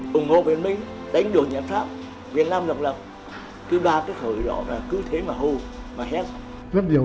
hùng hô việt minh đánh đuổi nhật pháp việt nam lập lập